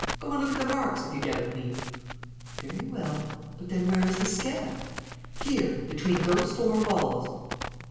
Go and look at the marks, if you doubt me!" "Very well. But then where is the scamp?" "Here, between those four walls."